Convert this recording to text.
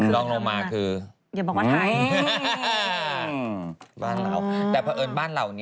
ลองลงมาคือ